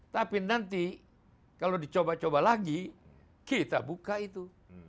tapi nanti kalau dicoba coba lagi kita buka itu